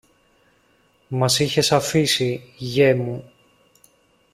Μας είχες αφήσει, γιε μου